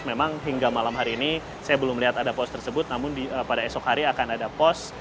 memang hingga malam hari ini saya belum melihat ada pos tersebut namun pada esok hari akan ada pos